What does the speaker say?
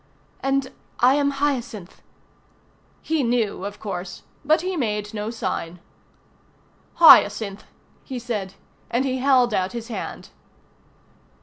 "And I am Hyacinth." He knew, of course, but he made no sign. "Hyacinth," he said, and he held out his hand.